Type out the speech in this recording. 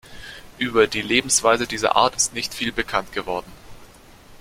Über die Lebensweise dieser Art ist nicht viel bekannt geworden.